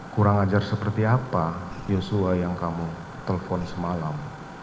kurang ajar seperti apa yosua yang kamu telpon semalam